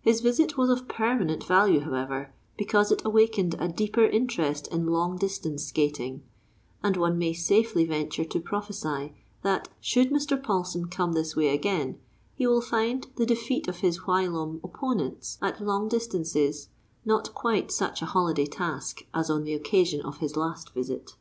His visit was of permanent value, however, because it awakened a deeper interest in long distance skating; and one may safely venture to prophesy that, should Mr. Paulsen come this way again, he will find the defeat of his whilom opponents at long distances not quite such a holiday task as on the occasion of his last visit.